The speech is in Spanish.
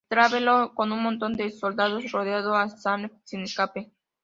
Strangelove con un montón de soldados, rodeando a Snake sin escape.